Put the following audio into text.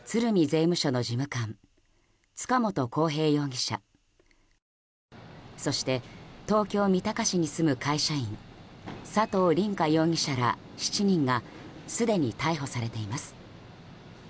税務署の事務官塚本晃平容疑者そして東京・三鷹市に住む会社員、佐藤凛果容疑者ら７人がすでに逮捕されています。